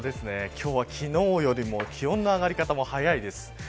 今日は、昨日よりも気温の上がり方も早いです。